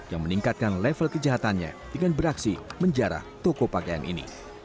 yang meningkatkan level kejahatannya dengan beraksi menjara toko pakean